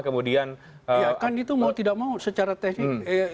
ya kan itu mau tidak mau secara teknik